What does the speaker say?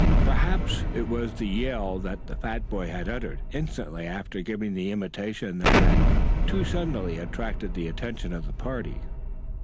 Perhaps it was the yell that the fat boy had uttered instantly after giving the imitation that had too suddenly attracted the attention of the party.